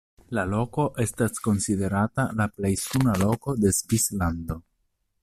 La loko estas konsiderata la plej suna loko de Svislando.